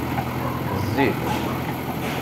Zzi-d!